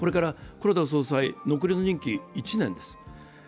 これから黒田総裁、残りの任期１年です。